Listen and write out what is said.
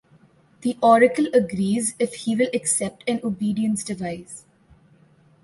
The Oracle agrees if he will accept an obedience device.